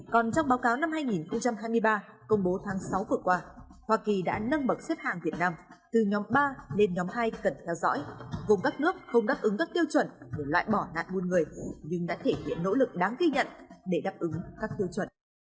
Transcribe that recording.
còn trong báo cáo năm hai nghìn hai mươi ba công bố tháng sáu vừa qua hoa kỳ đã nâng bậc xếp hàng việt nam từ nhóm ba lên nhóm hai cần theo dõi gồm các nước không đáp ứng các tiêu chuẩn để loại bỏ nạn buôn người nhưng đã thể hiện nỗ lực đáng ghi nhận để đáp ứng các tiêu chuẩn